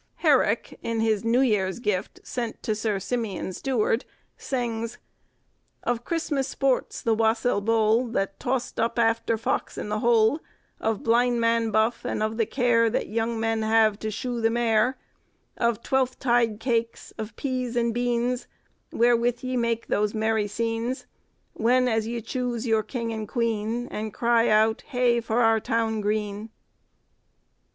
Herrick, in his 'New Year's Gift' sent to Sir Simeon Steward, sings— "Of Christmas sports, the wassel boule, That tost up after fox i th' hole; Of blind man buffe, and of the care That young men have to shooe the mare; Of Twelf tide cakes, of pease and beanes, Wherewith ye make those merry sceanes, When as ye chuse your king and queen, And cry out, 'Hey for our town green.